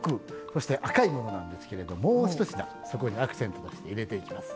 そして赤いものなんですけれどもう一品そこにアクセントとして入れていきます。